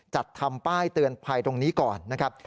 จัดทำป้ายเตือนภัยตรงนี้ก่อนนะครับ